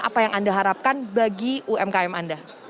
apa yang anda harapkan bagi umkm anda